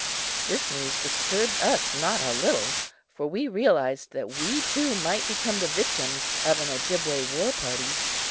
This news disturbed us not a little, for we realized that we too might become the victims of an Ojibway war party.